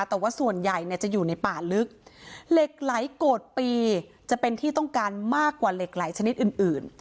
แต่ว่าส่วนใหญ่เนี่ยจะอยู่ในป่าลึกเหล็กไหลโกรธปีจะเป็นที่ต้องการมากกว่าเหล็กไหลชนิดอื่น